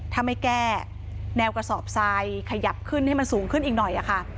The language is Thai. ถ้าไม่แก้แนวกระสอบทรายขยับขึ้นให้มันสูงขึ้นอีกหน่อยค่ะ